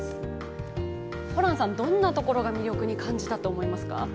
ホランさん、どんなところを魅力に感じたと思いますか？